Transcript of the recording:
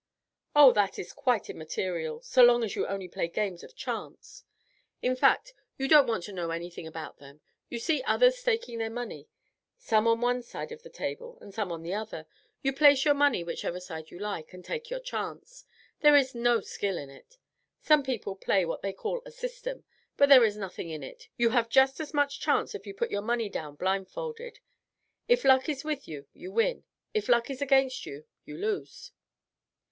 "Oh, that is quite immaterial so long as you only play games of chance; in fact, you don't want to know anything about them. You see others staking their money, some on one side of the table, and some on the other; you place your money whichever side you like, and take your chance. There is no skill in it. Some people play on what they call a system, but there is nothing in it; you have just as much chance if you put your money down blindfolded. If luck is with you, you win; if luck is against you, you lose."